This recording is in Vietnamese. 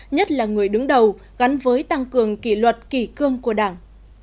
nhất là người đứng đầu gắn với tăng cường kỷ luật kỷ cương của đảng